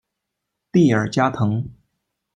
蒂尔加滕。